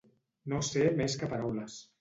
No ser més que paraules.